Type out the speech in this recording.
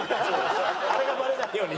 あれがバレないように。